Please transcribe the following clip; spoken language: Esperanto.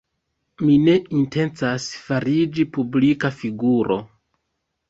Mi ne intencas fariĝi publika figuro.